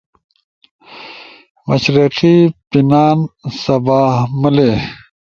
مشرقی پینان، سباہ ملے